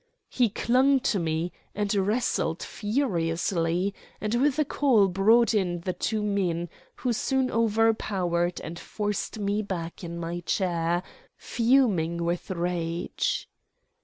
He clung to me, and wrestled furiously, and with a call brought in the two men, who soon overpowered and forced me back in my chair, fuming with rage.